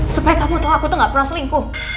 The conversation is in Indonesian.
supaya kamu tau aku tuh ga pernah selingkuh